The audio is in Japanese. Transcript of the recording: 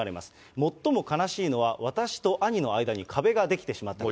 最も悲しいのは私と兄の間に壁が出来てしまったこと。